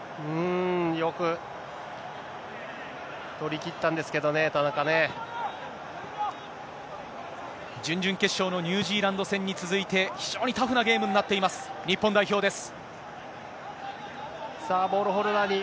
よく取りきったんですけどね、準々決勝のニュージーランド戦に続いて、非常にタフなゲームになっています、日本代表です。